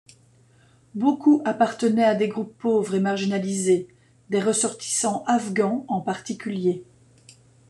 Beaucoup appartenaient à des groupes pauvres et marginalisés – des ressortissants afghans en particulier.